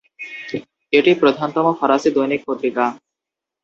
এটি প্রধানতম ফরাসি দৈনিক পত্রিকা।